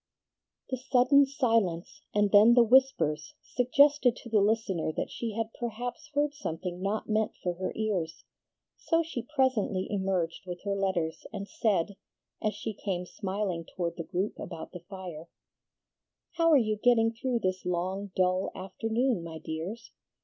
The sudden silence and then the whispers suggested to the listener that she had perhaps heard something not meant for her ears; so she presently emerged with her letters, and said, as she came smiling toward the group about the fire, "How are you getting through this long, dull afternoon, my dears?